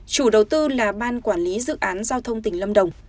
chủ đầu tư là ban quản lý dự án giao thông tỉnh lâm đồng